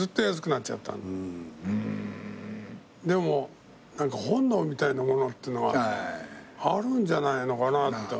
でも何か本能みたいなものっていうのはあるんじゃないのかなと。